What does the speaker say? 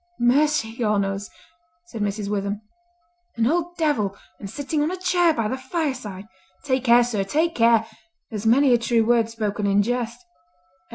"Mercy on us," said Mrs. Witham, "an old devil, and sitting on a chair by the fireside! Take care, sir! take care! There's many a true word spoken in jest."